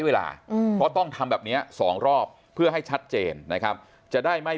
เวลาเพราะต้องทำแบบเนี้ยสองรอบเพื่อให้ชัดเจนนะครับจะได้ไม่